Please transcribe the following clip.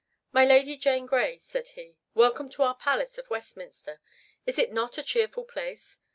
"My Lady Jane Grey," said he. "Welcome to our palace of Westminster. Is it not a cheerful place?